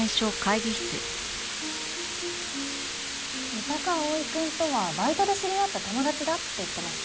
三鷹蒼くんとはバイトで知り合った友達だって言ってましたよね？